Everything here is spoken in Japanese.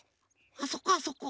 あそこあそこ！